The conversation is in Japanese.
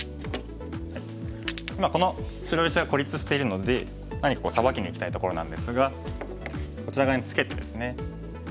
今この白石が孤立してるので何かサバキにいきたいところなんですがこちら側にツケてですね